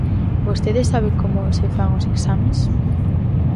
¿Vostede sabe como se fan os exames?